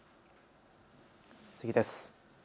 次です。